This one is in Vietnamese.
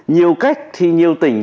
nhiều cách thì nhiều tỉnh